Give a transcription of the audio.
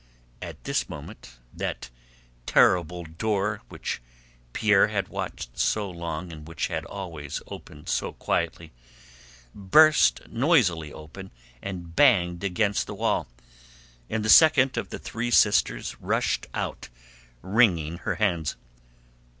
At this moment that terrible door, which Pierre had watched so long and which had always opened so quietly, burst noisily open and banged against the wall, and the second of the three sisters rushed out wringing her hands.